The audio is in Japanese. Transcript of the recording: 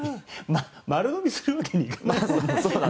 丸飲みするわけにいかないから。